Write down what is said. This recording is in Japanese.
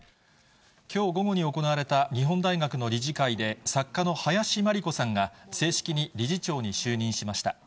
きょう午後に行われた、日本大学の理事会で、作家の林真理子さんが正式に理事長に就任しました。